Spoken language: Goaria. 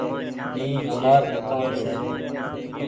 اي همآر آگوآڻ ڇي۔